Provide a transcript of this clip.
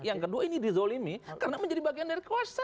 yang kedua ini dizolimi karena menjadi bagian dari kekuasaan